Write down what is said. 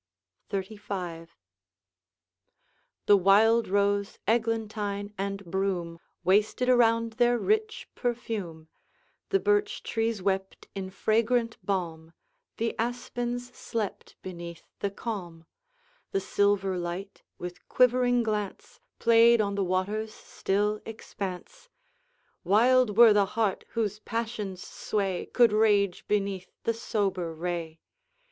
XXXV. The wild rose, eglantine, and broom Wasted around their rich perfume; The birch trees wept in fragrant balm; The aspens slept beneath the calm; The silver light, with quivering glance, Played on the water's still expanse, Wild were the heart whose passion's sway Could rage beneath the sober ray!